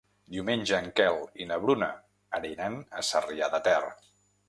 Diumenge en Quel i na Bruna aniran a Sarrià de Ter.